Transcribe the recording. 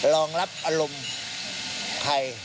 รองรับอารมณ์ใคร